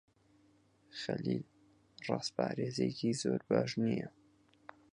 خەلیل ڕازپارێزێکی زۆر باش نییە.